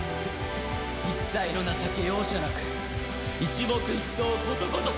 一切の情け容赦なく一木一草ことごとく！